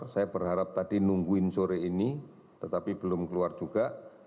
saya berharap tadi nungguin sore ini tetapi belum keluar juga